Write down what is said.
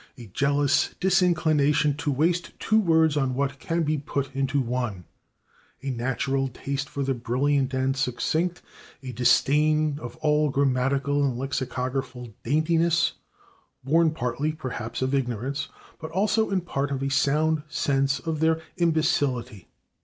On the one hand it is a habit of verbal economy a jealous disinclination to waste two words on what can be put into one, a natural taste for the brilliant and [Pg162] succinct, a disdain of all grammatical and lexicographical daintiness, born partly, perhaps, of ignorance, but also in part of a sound sense of their imbecility.